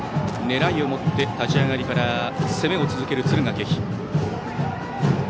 狙いを持って立ち上がりから攻めを続ける敦賀気比。